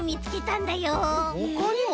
ほかにも？